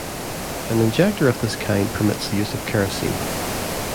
An injector of this kind permits the use of kerosene.